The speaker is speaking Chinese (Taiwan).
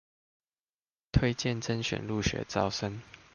推薦甄選入學招生